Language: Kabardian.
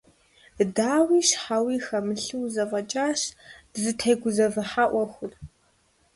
Дауи щхьэуи хэмылъу зэфӀэкӀащ дызытегузэвыхьа Ӏуэхур.